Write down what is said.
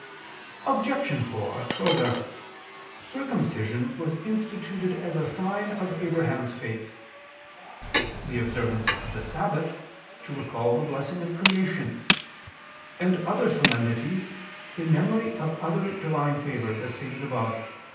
Obj. 4: Further, circumcision was instituted as a sign of Abraham's faith: the observance of the sabbath, to recall the blessing of creation: and other solemnities, in memory of other Divine favors, as stated above (Q.